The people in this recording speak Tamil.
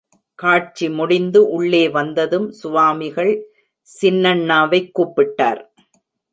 காட்சி முடிந்து உள்ளே வந்ததும் சுவாமிகள் சின்னண்ணாவைக் கூப்பிட்டார்.